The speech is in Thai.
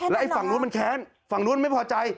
ไอ้ฝั่งนู้นมันแค้นฝั่งนู้นไม่พอใจ